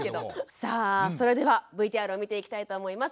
さあそれではＶＴＲを見ていきたいと思います。